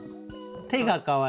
手がかわいい。